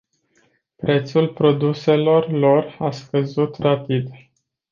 Prețul produselor lor a scăzut rapid.